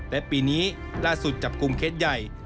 และปีนี้ล่าสุดจับกลุ่มเคสใหญ่